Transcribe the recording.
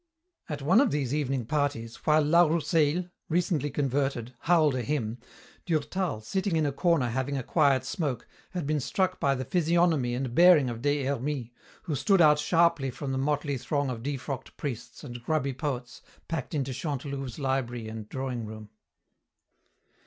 At one of these evening parties, while La Rousseil, recently converted, howled a hymn, Durtal, sitting in a corner having a quiet smoke, had been struck by the physiognomy and bearing of Des Hermies, who stood out sharply from the motley throng of defrocked priests and grubby poets packed into Chantelouve's library and drawing room.